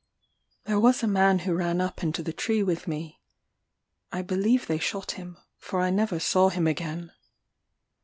There was a man who ran up into the tree with me: I believe they shot him, for I never saw him again.